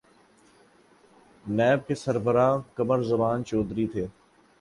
NAB کے سربراہ قمر زمان چوہدری تھے۔